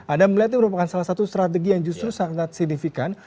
anda melihat ini merupakan salah satu strategi yang justru sangat signifikan